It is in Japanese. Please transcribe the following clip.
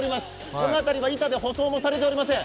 この辺りは板で舗装もされておりません。